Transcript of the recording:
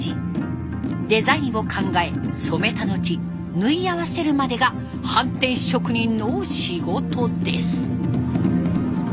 デザインを考え染めた後縫い合わせるまでがはんてん職人の仕事です。